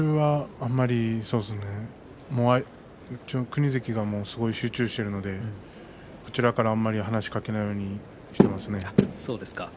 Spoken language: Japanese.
あんまり千代の国関は集中しているので、こちらから声はかけないようにしていますね。